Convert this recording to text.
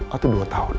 atau dua tahun